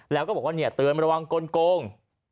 แล้วก็บอกว่าเนี่ยเตือนระวังกลง